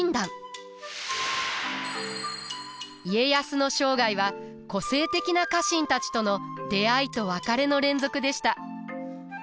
家康の生涯は個性的な家臣たちとの出会いと別れの連続でした。